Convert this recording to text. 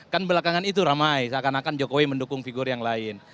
kan belakangan itu ramai seakan akan jokowi mendukung figur yang lain